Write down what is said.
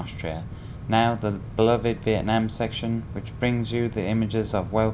sẽ kết thúc chương trình của chúng tôi ngày hôm nay